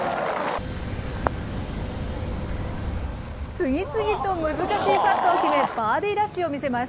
次々と難しいパットを決め、バーディーラッシュを見せます。